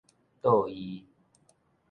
桌奕